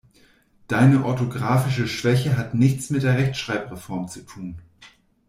Deine orthografische Schwäche hat nichts mit der Rechtschreibreform zu tun.